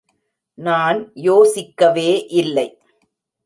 நான் யோசிக்கவே இல்லை.